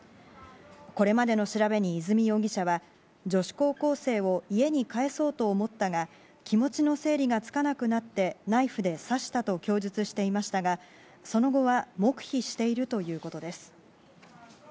これまでの調べに和美容疑者は女子高校生を家に帰そうと思ったが気持ちの整理がつかなくなってナイフで刺したと供述していましたがその後は黙秘しているということです。